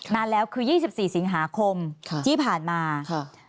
นานแล้วคือ๒๔สิงหาคมที่ผ่านมาครับ